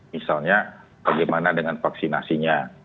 misalnya bagaimana dengan vaksinasinya